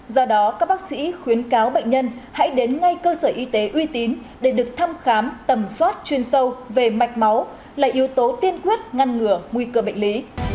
do đó các bác sĩ khuyến cáo bệnh nhân hãy đến ngay cơ sở y tế uy tín để được thăm khám tầm soát chuyên sâu về mạch máu là yếu tố tiên quyết ngăn ngừa nguy cơ bệnh lý